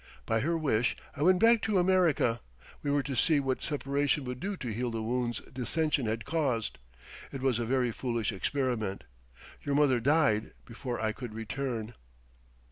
By her wish, I went back to America; we were to see what separation would do to heal the wounds dissension had caused. It was a very foolish experiment. Your mother died before I could return...."